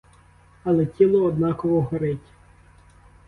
Але тіло однаково горить.